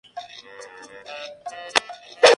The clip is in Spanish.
Esto se llamó la Guerra de los Tejanos.